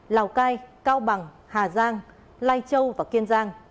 lào cai cao bằng hà giang lai châu và kiên giang